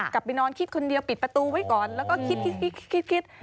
กลับไปนอนคิดคนเดียวปิดประตูไว้ก่อนแล้วก็คิดคิด